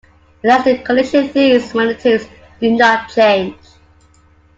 In an elastic collision these magnitudes do not change.